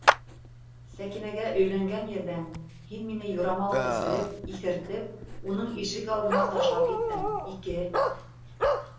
Сәкинәгә өйләнгән ерҙән, һин мине юрамал эсереп, иҫертеп, уның ишек алдына ташлап киттең -ике.